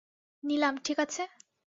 নিলাম, ঠিক আছে?